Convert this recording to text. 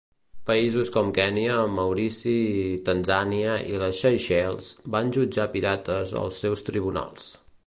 Països com Kenya, Maurici, Tanzània i les Seychelles van jutjar pirates als seus tribunals.